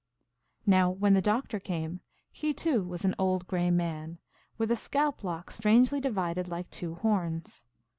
Now, when the Doctor came, he, too, was an old gray man, with a scalp lock strangely divided like two horns.